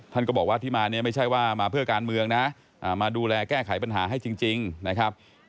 ท่านก็บอกว่าที่มาเนี่ยไม่ใช่ว่ามาเพื่อการเมืองนะมาดูแลแก้ไขปัญหาให้จริงนะครับ